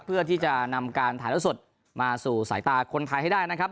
เพื่อที่จะนำการถ่ายแล้วสดมาสู่สายตาคนไทยให้ได้นะครับ